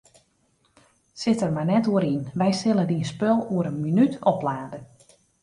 Sit der mar net oer yn, wy sille dyn spul oer in minút oplade.